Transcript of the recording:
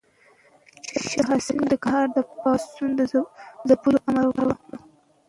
شاه حسين د کندهار د پاڅون د ځپلو امر وکړ.